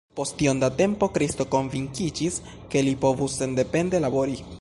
Post iom da tempo Kristo konvinkiĝis, ke li povus sendepende labori.